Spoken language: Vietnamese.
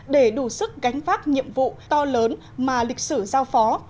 để đủ sức gánh phát nhiệm vụ to lớn mà lịch sử giao phó